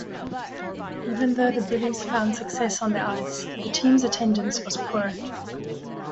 Even though the Bullies found success on the ice, the team's attendance was poor.